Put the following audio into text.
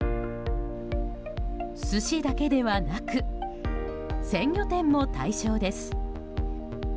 寿司だけではなく鮮魚店も対象です。